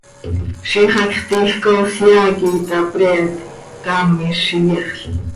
Ziix hacx tiij coos yaa quih itapreent, caamiz z iyexl.